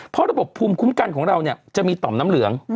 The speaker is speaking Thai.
เพราะระบบภูมิคุ้มกันของเราเนี่ยจะมีต่อมน้ำเหลือง